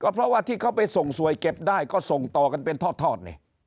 เพราะว่าที่เขาไปส่งสวยเก็บได้ก็ส่งต่อกันเป็นทอด